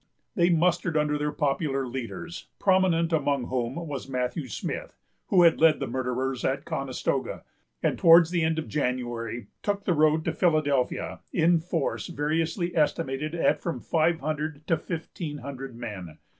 They mustered under their popular leaders, prominent among whom was Matthew Smith, who had led the murderers at Conestoga; and, towards the end of January, took the road to Philadelphia, in force variously estimated at from five hundred to fifteen hundred men.